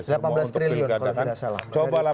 delapan belas triliun kalau tidak salah